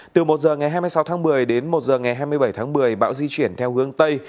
từ một h ngày hai mươi sáu tháng một mươi đến một h ngày hai mươi bảy tháng một mươi bão di chuyển theo hướng tây